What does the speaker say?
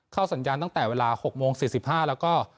สัญญาณตั้งแต่เวลา๖โมง๔๕แล้วก็